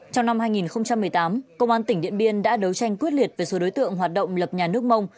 trong năm hai nghìn một mươi tám công an tỉnh điện biên đã đấu tranh quyết liệt về số đối tượng hoạt động lập nhà nước mông